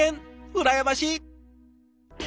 羨ましい！